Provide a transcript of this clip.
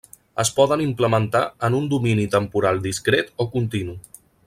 Es poden implementar en un domini temporal discret o continu.